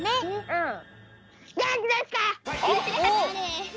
うん。